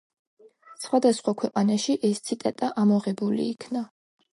სხვადასხვა ქვეყანაში ეს ციტატა ამოღებული იქნა.